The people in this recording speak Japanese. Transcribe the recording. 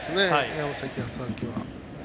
山崎康晃は。